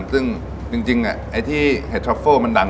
ซึ่งจริงไอ้ที่เห็ดทรัฟเฟิลมันดัง